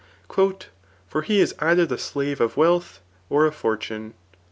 ^ For he ia other the slave of wealth, or of fortune."